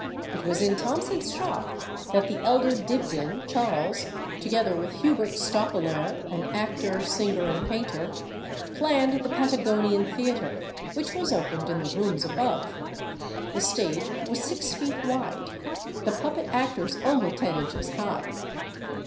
It was in Thomson's shop that the elder Dibdin (Charles), together with Hubert Stoppelaer, an actor, singer, and painter, planned the Patagonian Theatre, which was opened in the rooms above. The stage was six feet wide, the puppet actors only ten inches high.